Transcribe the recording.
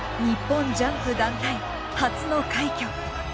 日本ジャンプ団体初の快挙。